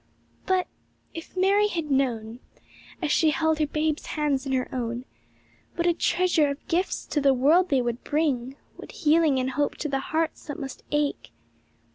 But — if Mary had known. As she held her Babe's hands in her own. What a treasure of gifts to the world they would bring; What healing and hope to the hearts that must ache.